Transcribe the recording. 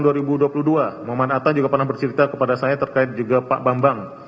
muhammad atta juga pernah bercerita kepada saya terkait juga pak bambang